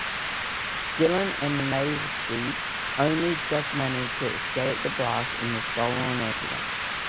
Dylan and Maisie only just manage to escape the blast in the stolen ambulance.